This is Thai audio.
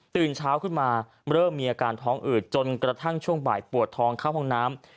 เช้าขึ้นมาเริ่มมีอาการท้องอืดจนกระทั่งช่วงบ่ายปวดท้องเข้าห้องน้ำ